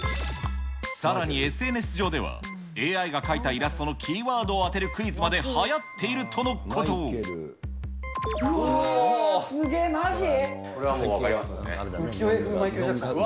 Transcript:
さらにＳＮＳ上では、ＡＩが描いたイラストのキーワードを当てるクイズまではやっているとのうわぁ、すげえ、まじ。